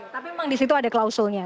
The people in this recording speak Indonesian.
tapi memang disitu ada klausulnya